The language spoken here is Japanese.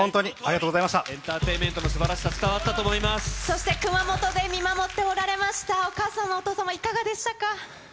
エンターテインメントのすばそして熊本で見守っておられましたお母様、お父様、いかがでしたか？